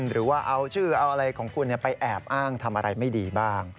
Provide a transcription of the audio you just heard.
หรือว่าเอาชื่อเอาอะไรของคุณไปแอบอ้างทำอะไรไม่ดีบ้าง